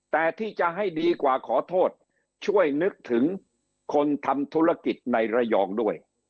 แต่ที่จะให้ดีกว่าขอโทษช่วยนึกถึงคนทำธุรกิจในระยองด้วย